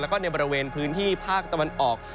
แล้วก็ในบริเวณพื้นที่ภาคตะวันออก